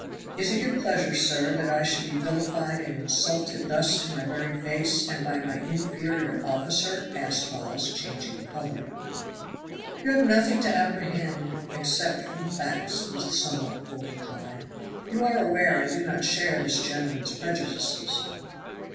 "Is it your pleasure, sir, that I should be vilified and insulted thus to my very face, and by my inferior officer?" asked Hawes, changing color. "You have nothing to apprehend except from facts," was the somewhat cold reply. "You are aware I do not share this gentleman's prejudices."